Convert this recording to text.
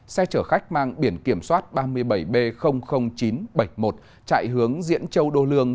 xe chở khách mang biển kiểm soát ba mươi bảy b chín trăm bảy mươi một chạy hướng diễn châu đô lương